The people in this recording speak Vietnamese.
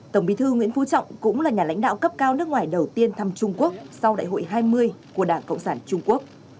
tổng bí thư nguyễn phú trọng cũng là nhà lãnh đạo cấp cao nước ngoài đầu tiên thăm trung quốc sau đại hội hai mươi của đảng cộng sản trung quốc